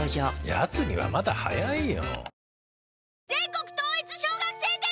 やつにはまだ早いよ。